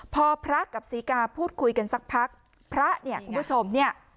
พอพระกับศรีกาพูดคุยกันสักพักพระเนี่ยคุณผู้ชมเนี่ย